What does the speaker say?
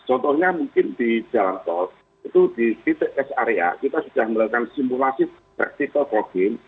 contohnya mungkin di jalan tol itu di titik rest area kita sudah melakukan simulasi tractical progreen